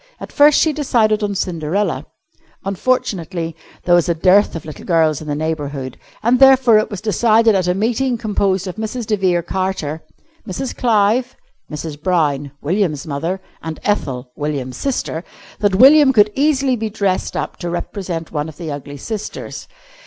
At first she decided on Cinderella. Unfortunately there was a dearth of little girls in the neighbourhood, and therefore it was decided at a meeting composed of Mrs. de Vere Carter, Mrs. Clive, Mrs. Brown (William's mother), and Ethel (William's sister), that William could easily be dressed up to represent one of the ugly sisters.